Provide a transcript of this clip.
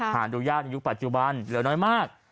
หาดูยากในยุคปัจจุบันเหลือน้อยมาก